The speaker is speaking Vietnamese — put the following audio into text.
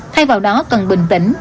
thay vào đó cần bình tĩnh